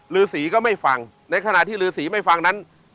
ฤษีก็ไม่ฟังในขณะที่ฤษีไม่ฟังนั้น